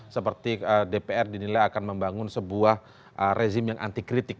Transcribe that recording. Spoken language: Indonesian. seperti dpr dinilai akan membangun sebuah rezim yang anti kritik